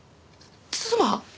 妻？